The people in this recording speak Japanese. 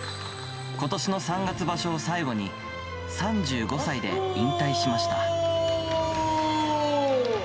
ことしの３月場所を最後に３５歳で引退しました。